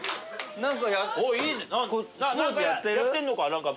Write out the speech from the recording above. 何かやってんのか？